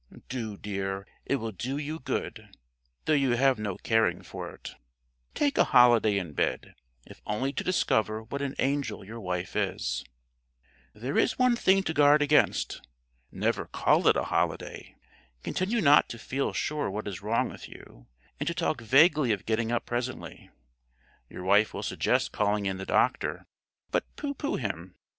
"Do, dear; it will do you good, though you have no caring for it." Take a holiday in bed, if only to discover what an angel your wife is. [Illustration: The chances are that he won't understand your case] There is one thing to guard against. Never call it a holiday. Continue not to feel sure what is wrong with you, and to talk vaguely of getting up presently. Your wife will suggest calling in the doctor, but pooh pooh him.